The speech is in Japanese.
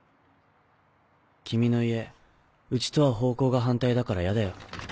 君の家うちとは方向が反対だからやだよ。